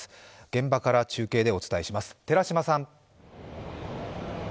現場から中継でお伝えします。